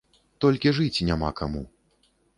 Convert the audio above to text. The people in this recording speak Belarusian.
Толькі жыць няма каму.